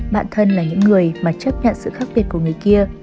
bản thân là những người mà chấp nhận sự khác biệt của người kia